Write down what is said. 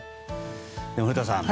古田さん